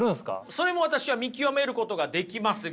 それも私は見極めることができますが。